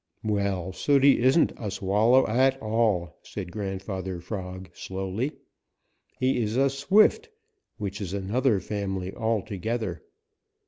"Well, Sooty isn't a Swallow at all," said Grandfather Frog slowly. "He is a Swift, which is another family altogether.